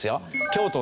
京都